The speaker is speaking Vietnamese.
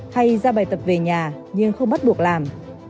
hay ra bài tập về nhà nhưng không bắt buộc làm